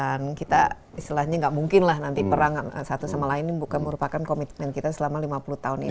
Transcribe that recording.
dan kita istilahnya nggak mungkin lah nanti perang satu sama lain bukan merupakan komitmen kita selama lima puluh tahun ini